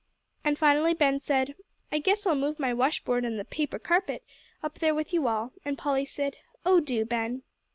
And finally Ben said, "I guess I'll move my washboard and the 'paper carpet' up there with you all," and Polly said, "Oh, do, Ben."